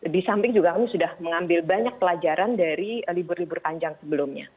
di samping juga kami sudah mengambil banyak pelajaran dari libur libur panjang sebelumnya